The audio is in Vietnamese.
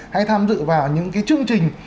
hay tham dự vào những cái chương trình